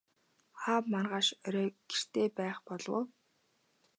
Аав маргааш орой гэртээ байх болов уу?